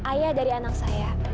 ayah dari anak saya